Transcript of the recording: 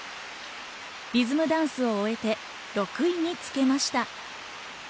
リズムダンスを終えて６位につけました。